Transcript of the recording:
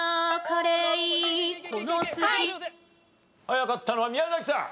早かったのは宮崎さん。